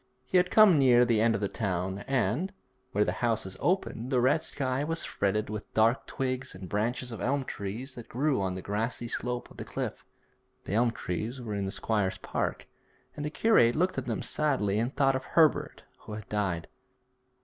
He had come near the end of the town, and, where the houses opened, the red sky was fretted with dark twigs and branches of elm trees which grew on the grassy slope of the cliff. The elm trees were in the squire's park, and the curate looked at them sadly and thought of Herbert who had died.